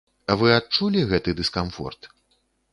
Вы адчулі гэты дыскамфорт?